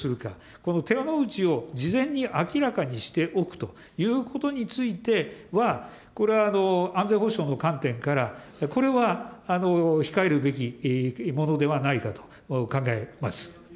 この手の内を事前に明らかにしておくということについては、これは安全保障の観点から、これは控えるべきものではないかと考えます。